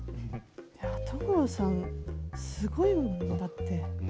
いや所さんすごいもんだって。